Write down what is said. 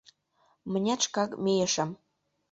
Мынет шкак мийышым.